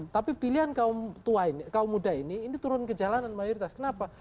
tapi pilihan kaum muda ini ini turun ke jalanan mayoritas kenapa